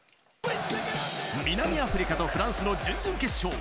南アフリカとフランスの準々決勝。